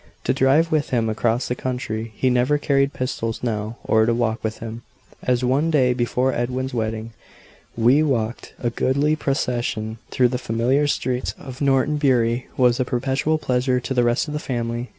To drive with him across the country he never carried pistols now, or to walk with him, as one day before Edwin's wedding we walked, a goodly procession, through the familiar streets of Norton Bury, was a perpetual pleasure to the rest of the family.